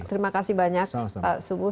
terima kasih banyak pak subuh